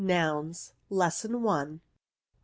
NOUNS. Lesson I. A.